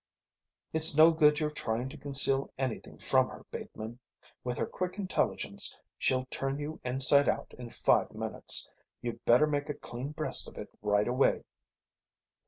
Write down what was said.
"It's no good your trying to conceal anything from her, Bateman. With her quick intelligence she'll turn you inside out in five minutes. You'd better make a clean breast of it right away."